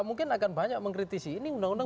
mungkin akan banyak mengkritisi ini undang undang